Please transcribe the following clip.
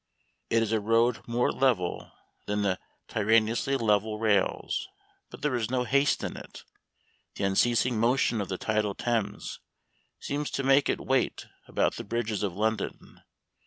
It is a road more level than the tyrannously level rails, but there is no haste in it. The unceasing motion of the tidal Thames seems to make it wait about the bridges of London.